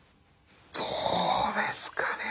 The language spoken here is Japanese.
どうですかね